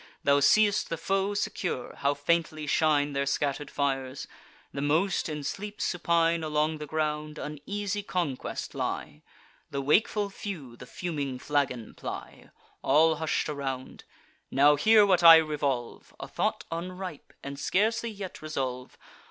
Thou see'st the foe secure; how faintly shine Their scatter'd fires! the most, in sleep supine Along the ground, an easy conquest lie: The wakeful few the fuming flagon ply; All hush'd around. Now hear what I revolve— A thought unripe—and scarcely yet resolve.